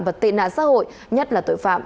và tệ nạn xã hội nhất là tội phạm